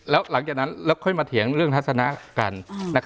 แล้วหลังจากนั้นแล้วค่อยมาเถียงเรื่องทัศนะกัน